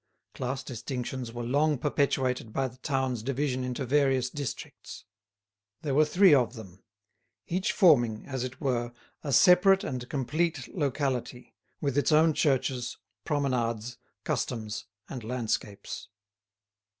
Class distinctions were long perpetuated by the town's division into various districts. There were three of them, each forming, as it were, a separate and complete locality, with its own churches, promenades, customs, and landscapes.